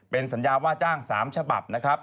เป็นสัญญาว่าจ้าง๓ฉบับนะครับ